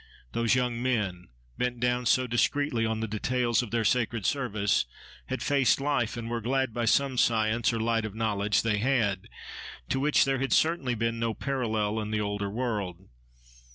Those young men, bent down so discreetly on the details of their sacred service, had faced life and were glad, by some science, or light of knowledge they had, to which there had certainly been no parallel in the older world.